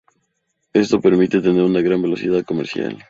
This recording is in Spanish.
Esto permite tener una gran velocidad comercial.